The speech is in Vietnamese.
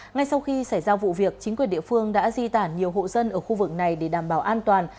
ngay sau khi xảy ra vụ việc chính quyền địa phương đã di tản nhiều hộ dân ở khu vực này để đảm bảo an toàn